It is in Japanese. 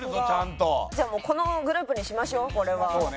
じゃあこのグループにしましょうこれは。